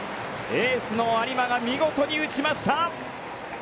エースの有馬が見事に打ちました！